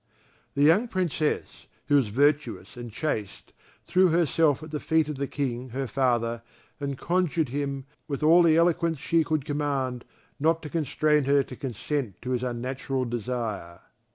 The young Princess, who was virtuous and chaste, threw herself at the feet of the King her father and conjured him, with all the eloquence she could command, not to constrain her to consent to his unnatural desire.